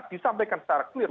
disampaikan secara clear